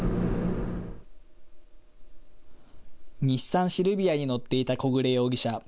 日産シルビアに乗っていた小暮容疑者。